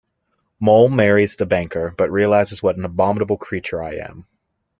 Moll marries the banker, but realizes what an abominable creature I am!